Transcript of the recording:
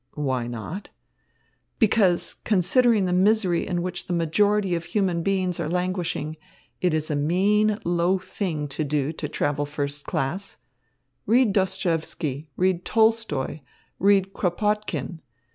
"Why not?" "Because, considering the misery in which the majority of human beings are languishing, it is a mean low thing to do to travel first class. Read Dostoievsky, read Tolstoy, read Kropotkin!